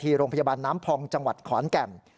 โรงพยาบาลน้ำพองจังหวัดขอนแก่น